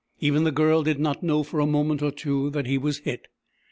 Even the Girl did not know for a moment or two that he was hit.